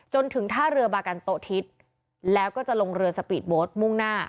จนถึงท่าเรือบากันโตทิศแล้วก็จะลงเรือสปีดโบสต์มุ่งหน้า